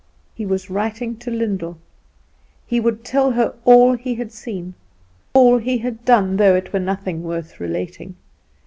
He was writing to Lyndall. He would tell her all he had seen, all he had done, though it were nothing worth relating.